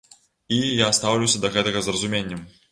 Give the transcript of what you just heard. І я стаўлюся да гэтага з разуменнем.